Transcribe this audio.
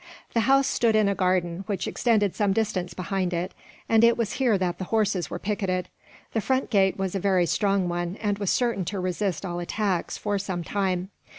The house stood in a garden, which extended some distance behind it; and it was here that the horses were picketed. The front gate was a very strong one, and was certain to resist all attacks, for some time.